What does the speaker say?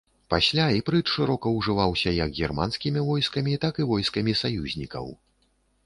Пасля іпрыт шырока ўжываўся як германскімі войскамі, так і войскамі саюзнікаў.